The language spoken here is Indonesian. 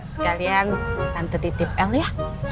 sekalian tante titip l ya